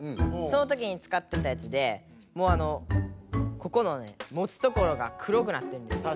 そのときにつかってたやつでもうここのねもつところが黒くなってんですよ